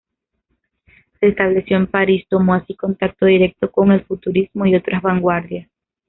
Se estableció en París tomó así contacto directo con el futurismo y otras vanguardias.